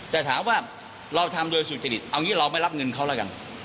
แต่ถามว่าเราทำโดยสุจริตเอางี้เราไม่รับเงินเขาแล้วกัน